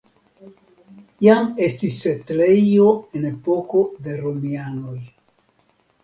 Jam estis setlejo en epoko de romianoj.